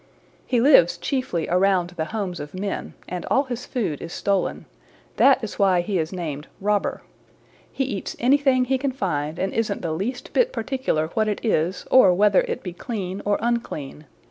"He lives chiefly around the homes of men, and all his food is stolen. That is why he is named Robber. He eats anything he can find and isn't the least bit particular what it is or whether it be clean or unclean.